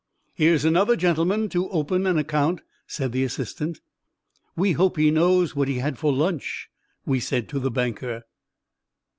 "Here's another gentleman to open an account," said the assistant. "We hope he knows what he had for lunch," we said to the banker.